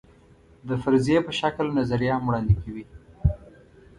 د فرضیې په شکل نظریه هم وړاندې کوي.